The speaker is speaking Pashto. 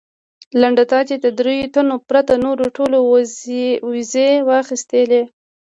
لنډه دا چې د درېیو تنو پرته نورو ټولو ویزې واخیستلې.